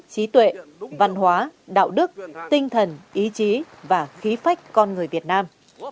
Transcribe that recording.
trí tuệ văn hóa đạo đức tinh thần ý chí và khí phách con người việt nam